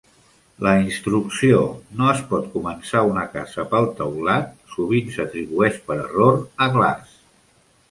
La instrucció "No es pot començar una casa pel teulat" sovint s'atribueix per error a Glasse.